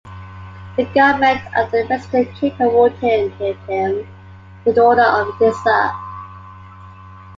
The Government of the Western Cape awarded him the Order of the Disa.